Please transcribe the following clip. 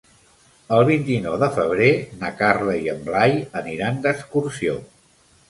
El vint-i-nou de febrer na Carla i en Blai aniran d'excursió.